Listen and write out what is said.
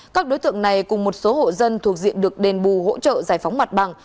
các đối tượng này cùng một số hộ dân thuộc diện được đền bù hỗ trợ giải phóng mặt bằng